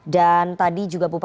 dan tadi juga berita